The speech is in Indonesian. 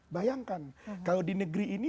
bayangkan kalau di negeri ini